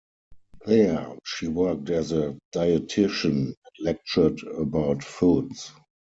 There, she worked as a dietitian and lectured about foods.